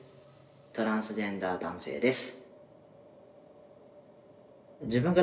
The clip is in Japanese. トランスジェンダー男性です。